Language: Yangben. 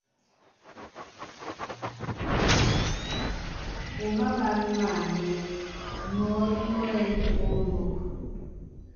Úmáaman maanyɛ́, nuɔ́l núɛ́y móolúk.